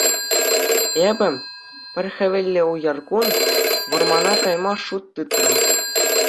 Эпӗ, пӗр хӗвеллӗ уяр кун, вӑрмана кайма шут тытрӑм.